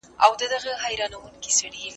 د زکات پروسه باید روڼه وي.